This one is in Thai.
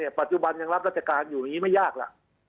ปัจจุบันยังรับราชการอยู่อย่างนี้ไม่ยากล่ะ